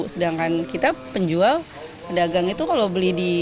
sedangkan kita penjual pedagang itu kalau beli di